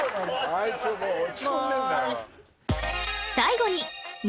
あいつ落ち込んでるんだから。